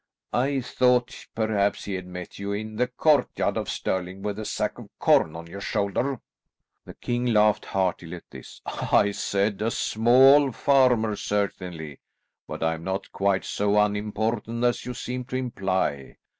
"I thought perhaps he had met you in the courtyard of Stirling with a sack of corn on your shoulder." The king laughed heartily at this. "I said a small farmer certainly, but I am not quite so unimportant as you seem to imply.